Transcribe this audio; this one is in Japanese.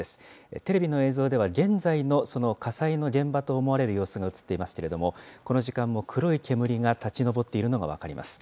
テレビの映像では現在のその火災の現場と思われる様子が映っていますけれども、この時間も黒い煙が立ち上っているのが分かります。